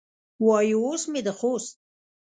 وایي اوس مې د خوست